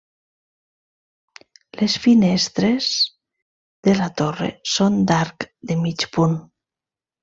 Les finestres de la torre són d'arc de mig punt.